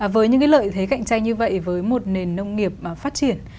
với những lợi thế cạnh tranh như vậy với một nền nông nghiệp phát triển